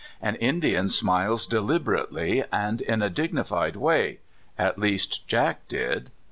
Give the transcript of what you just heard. An Indian smiles deliberately and in a dignified way — at least Jack did.